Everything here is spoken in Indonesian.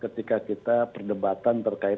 ketika kita perdebatan terkait